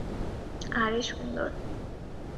আরে, সুন্দর!